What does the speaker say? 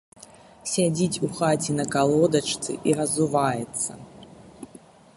Сядзіць у хаце на калодачцы і разуваецца.